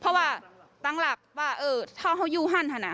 เพราะว่าตั้งหลักว่าถ้าเขาอยู่ฮั่นถนัด